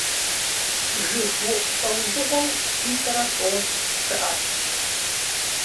ЖыгыуIу лIэужьыгъуэу щитIрэ тIощI щыIэщ.